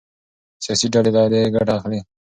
سياسي ډلې له دې ګټه اخلي.